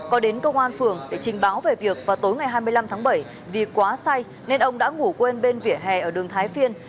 có đến công an phường để trình báo về việc vào tối ngày hai mươi năm tháng bảy vì quá say nên ông đã ngủ quên bên vỉa hè ở đường thái phiên